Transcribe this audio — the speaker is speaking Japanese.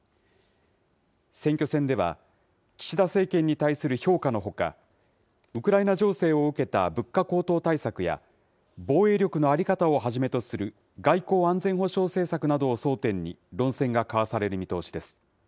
選挙戦では、岸田政権に対する評価のほか、ウクライナ情勢を受けた物価高騰対策や、防衛力の在り方をはじめとする外交・安全保障政策などを争点に、論戦が交わされる見通しです。